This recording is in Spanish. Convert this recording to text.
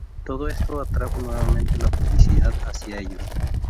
Todo esto atrajo nuevamente la publicidad hacia ellos.